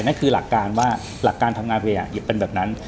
นั่นคือหลักการว่าหลักการทำงานพยายามเป็นแบบนั้น